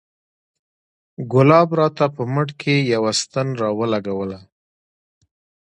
ګلاب راته په مټ کښې يوه ستن راولګوله.